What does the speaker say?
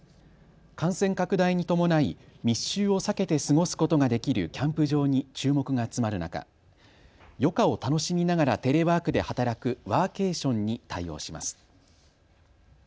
感染拡大に伴い密集を避けて過ごすことができるキャンプ場に注目が集まる中、余暇を楽しみながらテレワークで働くワーケーションに対応します。